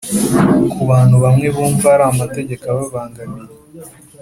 ku bantu bamwe bumva ari amategeko ababangamiye